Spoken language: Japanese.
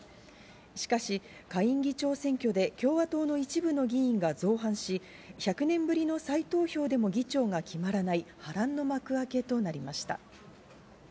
しかし下院議長選挙で共和党の一部の議員が造反し、１００年ぶりの再投票でも議長が決まらない波乱の幕開けとなりました。